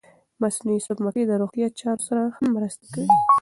مصنوعي سپوږمکۍ د روغتیا چارو سره هم مرسته کوي.